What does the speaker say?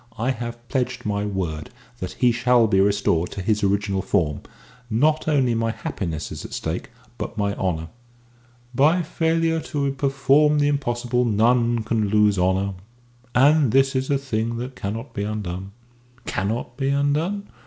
I have pledged my word that he shall be restored to his original form. Not only my happiness is at stake, but my honour." "By failure to perform the impossible none can lose honour. And this is a thing that cannot be undone." "Cannot be undone?"